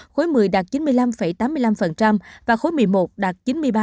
khối một mươi đạt chín mươi năm tám mươi năm và khối một mươi một đạt chín mươi ba năm mươi sáu